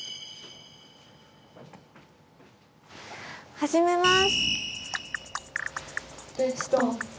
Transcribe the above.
始めます！